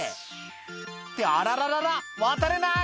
「ってあらららら渡れない」